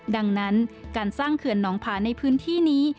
ดังนั้นการสร้างเขื่อนน้องผาในพื้นที่นี้